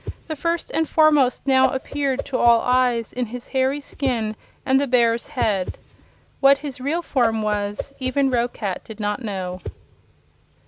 The First and Foremost now appeared to all eyes in his hairy skin and the bear's head. What his real form was even Roquat did not know.